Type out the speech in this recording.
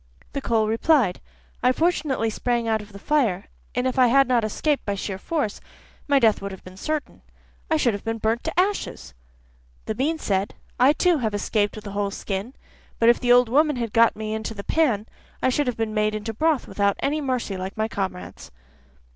The coal replied: 'I fortunately sprang out of the fire, and if I had not escaped by sheer force, my death would have been certain, I should have been burnt to ashes.' The bean said: 'I too have escaped with a whole skin, but if the old woman had got me into the pan, I should have been made into broth without any mercy, like my comrades.